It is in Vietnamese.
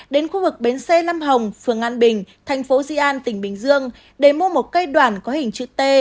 đến khu vực bến xe lâm hồng phường an bình thành phố di an tỉnh bình dương để mua một cây đoàn có hình chữ t